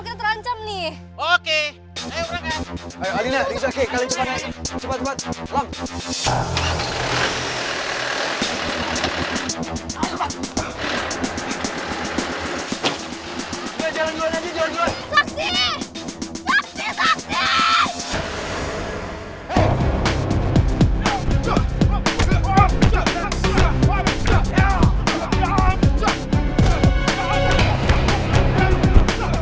jangan melacak ihnen